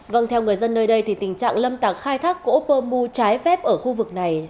vâng theo người dân nơi đây thì tình trạng lâm tạc khai thác gỗ pơ mu trái phép ở khu vực này